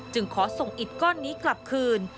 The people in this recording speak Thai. ขอส่งอิดก้อนนี้กลับคืน